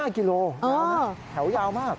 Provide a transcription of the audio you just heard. ๕กิโลแถวยาวมาก